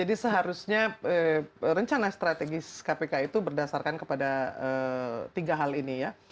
jadi seharusnya rencana strategis kpk itu berdasarkan kepada tiga hal ini ya